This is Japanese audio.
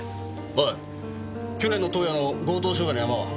おい去年の洞爺の強盗傷害のヤマは。